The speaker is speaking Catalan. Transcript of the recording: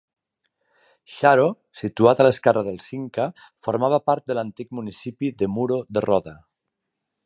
Xaro, situat a l'esquerra del Cinca, formava part de l'antic municipi de Muro de Roda.